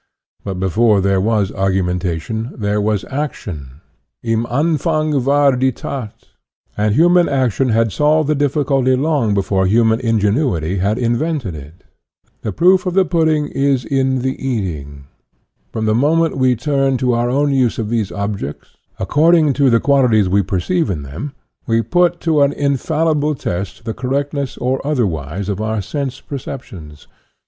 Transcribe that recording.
But before there was argumentation, there was action. Im Anfang war die That. And human action had solved the difficulty long before human ingenuity invented it. The proof of the pudding is in the eating. From the moment we turn to 2O INTRODUCTION our own use these objects, according to the qual ities we perceive in them, we put to an infallible test the correctness or otherwise of our sense perceptions.